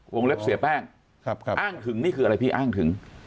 เล็บเสียแป้งอ้างถึงนี่คืออะไรพี่อ้างถึง